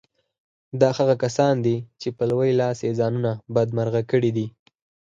دا هغه کسان دي چې په لوی لاس يې ځانونه بدمرغه کړي دي.